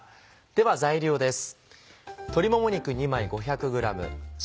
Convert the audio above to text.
では材料です。